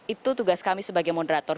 itu tugas kami sebagai moderator